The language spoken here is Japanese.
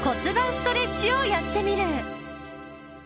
ストレッチをやってみる。